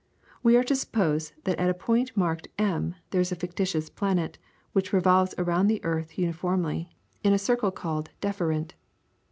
We are to suppose that at a point marked M there is a fictitious planet, which revolves around the earth uniformly, in a circle called the DEFERENT.